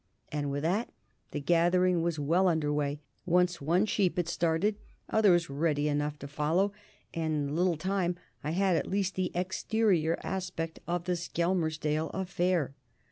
And with that the gathering was well under weigh. Once one sheep had started, others were ready enough to follow, and in a little time I had at least the exterior aspect of the Skelmersdale affair.